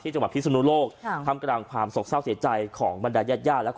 ที่จังหวัดพิษนุโลกครับทำกระดังความสกเช้าเสียใจของบรรดาญญาติย่า